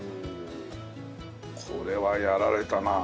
これはやられたな。